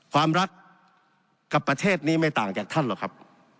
ความรักกับประเทศนี้ไม่ต่างจากท่านหรอกครับ